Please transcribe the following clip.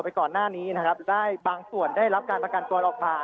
ก่อนหน้านี้นะครับได้บางส่วนได้รับการประกันตัวออกมา